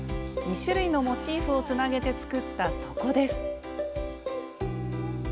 ２種類のモチーフをつなげて作った底です。